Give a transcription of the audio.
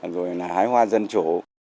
rồi là hái hoa dân chủ